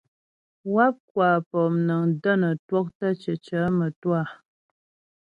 Wáp kwa pɔmnəŋ də́ nə twɔktə́ cicə mə́twâ.